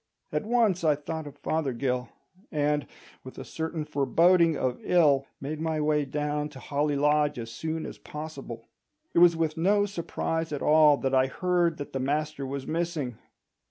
At once I thought of Fothergill, and, with a certain foreboding of ill, made my way down to Holly Lodge as soon as possible. It was with no surprise at all that I heard that the master was missing.